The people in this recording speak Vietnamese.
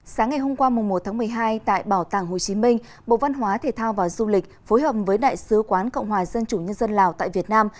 sáng ngày hôm qua một một mươi hai tại bảo tàng hồ chí minh bộ văn hóa thể thao và du lịch phối hợp với đại sứ quán cộng hòa dân chủ nhân dân lào tại việt nam